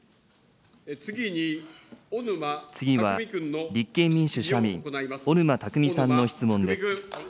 次は立憲民主・社民、小沼巧さんの質問です。